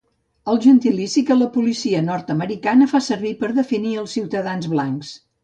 El gentilici que la policia nord-americana fa servir per definir els ciutadans blancs.